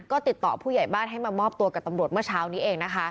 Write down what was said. ก็ติดต่อผู้ใหญ่บ้านให้มามอบตัวกับตำรวจเมื่อเช้านี้เองนะคะ